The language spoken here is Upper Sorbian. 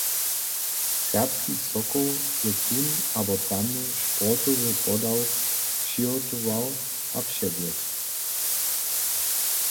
Serbski Sokoł je tón abo tamny sportowy podawk přihotował a přewjedł.